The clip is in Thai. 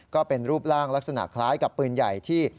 ก็เป็นรูปร่างลักษณะคล้ายกับปืนใหญ่ที่